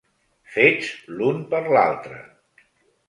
Fets l'un per l'altra.